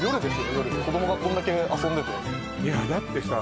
夜子どもがこんだけ遊んでていやだってさ